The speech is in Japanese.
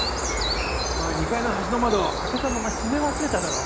お前２階の端の窓開けたまま閉め忘れただろ？